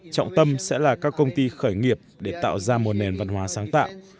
trọng tâm sẽ là các công ty khởi nghiệp để tạo ra một nền văn hóa sáng tạo